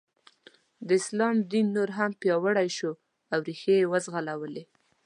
د اسلام دین نور هم پیاوړی شو او ریښې یې وځغلولې.